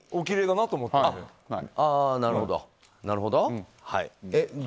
なるほど。